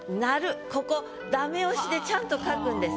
ここダメ押しでちゃんと書くんです。